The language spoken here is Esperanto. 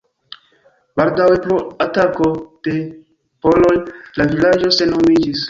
Baldaŭe pro atako de poloj la vilaĝo senhomiĝis.